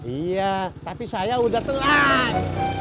iya tapi saya udah tenang